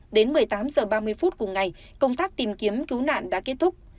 đến một mươi tám h ba mươi phút cùng ngày công tác tìm kiếm cứu nạn đã kết thúc